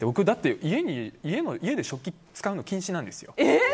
うちは家で食器使うの禁止なんですよ。